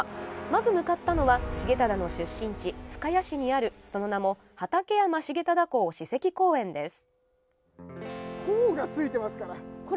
まず向かったのは重忠の出身地深谷市にあるその名も畠山重忠公史跡公園です。